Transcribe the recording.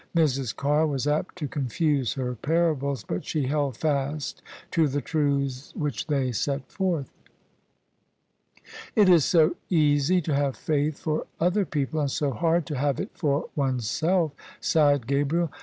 Mrs. Carr was apt to confuse her parables: but she held fast to the truths which they set forth. " It is so easy to have faith for other people : and so hard to have it for oneself," sighed Gabriel.